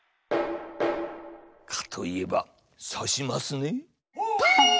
蚊⁉蚊といえばさしますね。